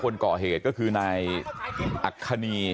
บอกแล้วบอกแล้วบอกแล้ว